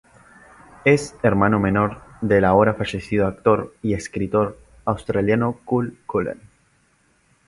Es hermano menor del ahora fallecido actor y escritor australiano Cul Cullen.